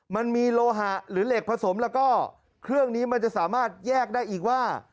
มันมีโลหะหรือเหล็กผสมแล้วก็เครื่องนี้มันจะสามารถแยกได้อีกว่า